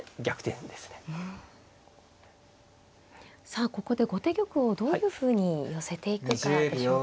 さあここで後手玉をどういうふうに寄せていくかでしょうか。